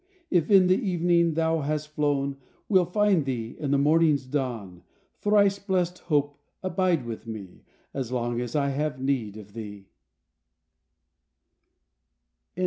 If in the evening thou hast flown We'll find thee in the morning's dawn, Thrice blessed Hope, abide with me As long as I have need of thee.